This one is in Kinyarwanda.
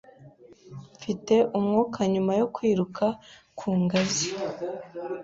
Mfite umwuka nyuma yo kwiruka ku ngazi.